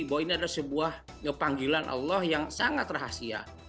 bahwa ini adalah sebuah panggilan allah yang sangat rahasia